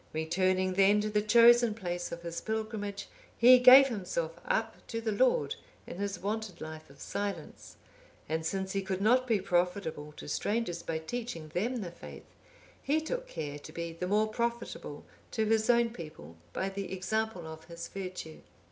Returning then to the chosen place of his pilgrimage, he gave himself up to the Lord in his wonted life of silence, and since he could not be profitable to strangers by teaching them the faith, he took care to be the more profitable to his own people by the example of his virtue.